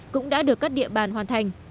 cũng đã được các địa bàn hoàn thành